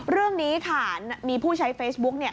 เรื่องนี้ค่ะมีผู้ใช้เฟซบุ๊ก